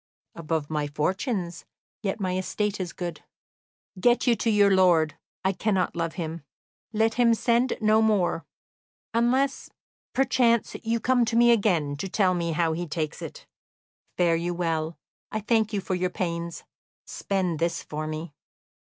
"Above my fortunes, yet my estate is good." "Get you to your lord; I cannot love him. Let him send no more unless, perchance, you come to me again to tell me how he takes it. Fare you well; I thank you for your pains. Spend this for me."